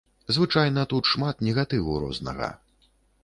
Звычайна тут шмат негатыву рознага.